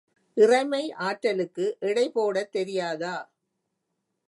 இறைமை ஆற்றலுக்கு எடை போடத் தெரியாதா?